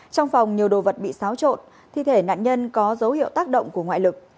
trong phòng nhiều đồ vật bị xáo trộn thi thể nạn nhân có dấu hiệu tác động của ngoại lực